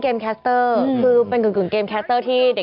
มึงทำอย่างงี้สิมันไม่ดีของเราเสีย